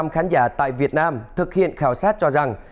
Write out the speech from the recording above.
bảy mươi bảy khán giả tại việt nam thực hiện khảo sát cho rằng